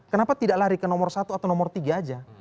kenapa tidak lari ke nomor satu atau nomor tiga aja